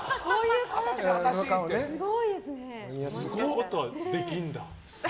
そんなことできるんだ。